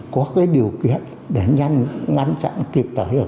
có cái điều kiện để nhanh ngăn chặn kịp thời hiệu